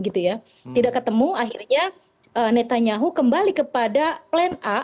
tidak ketemu akhirnya netanyahu kembali kepada plan a